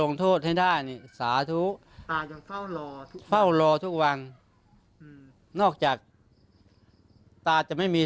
ลงโทษให้ได้สาธุตายังเฝ้ารอทุกวันนอกจากตาจะไม่มี